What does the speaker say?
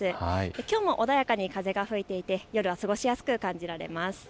きょうも穏やかに風が吹いていて夜は過ごしやすく感じられます。